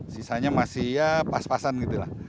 sisanya masih ya pas pasan gitu lah